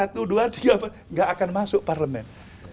tidak akan masuk parlement